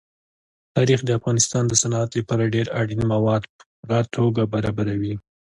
تاریخ د افغانستان د صنعت لپاره ډېر اړین مواد په پوره توګه برابروي.